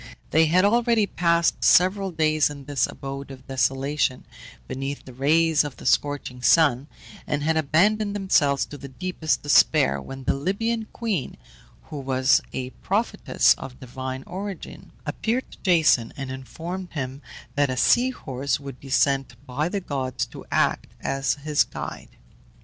They had already passed several days in this abode of desolation, beneath the rays of the scorching sun, and had abandoned themselves to the deepest despair, when the Libyan queen, who was a prophetess of divine origin, appeared to Jason, and informed him that a sea horse would be sent by the gods to act as his guide.